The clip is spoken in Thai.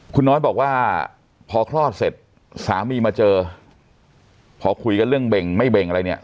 คุณน้อยบอกว่าพอคลอดเสร็จสามีมาเจอพอคุยกันเรื่องเบ่งไม่เบ่งอะไรเนี่ย